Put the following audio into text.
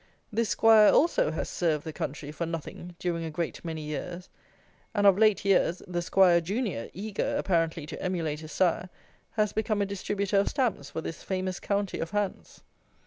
This 'Squire also has served the country for nothing during a great many years; and of late years, the 'Squire Junior, eager, apparently to emulate his sire, has become a distributor of stamps for this famous county of Hants!